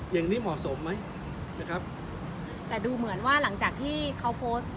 อย่างนี้เหมาะสมไหมนะครับแต่ดูเหมือนว่าหลังจากที่เขาโพสต์